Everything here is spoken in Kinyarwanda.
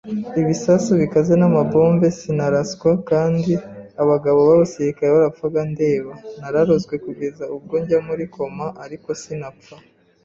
ibisasu bikaze n’amabombe sinaraswa kandi abagabo b’abasirikare barapfaga ndeba. Nararozwe kugeza ubwo njya muri koma ariko sinapfa